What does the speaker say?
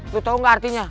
lu tahu nggak artinya